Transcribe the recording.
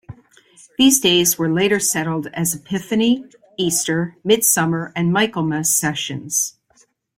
These days were later settled as Epiphany, Easter, Midsummer, and Michaelmas sessions.